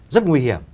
rất nguy hiểm